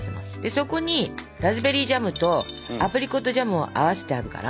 そこにラズベリージャムとアプリコットジャムを合わせてあるから。